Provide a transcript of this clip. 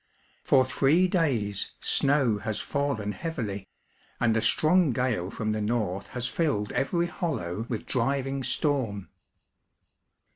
For three days snow has fallen heavily, and a strong gale from the north has filled every hollow with driving storm.